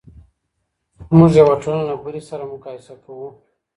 موږ یوه ټولنه له بلې سره مقایسه کوو.